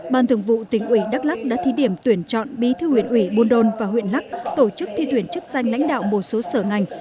ban thường vụ tỉnh ủy đắk lắc đã thí điểm tuyển chọn bí thư huyện ủy buôn đôn và huyện lắc tổ chức thi tuyển chức danh lãnh đạo một số sở ngành